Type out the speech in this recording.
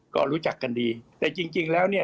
ก็รู้จักกันดีแต่จริงแล้วเนี่ย